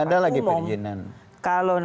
nah ada lagi perizinan